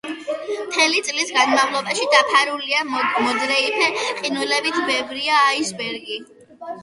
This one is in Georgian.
მთელი წლის განმავლობაში დაფარულია მოდრეიფე ყინულებით, ბევრია აისბერგი.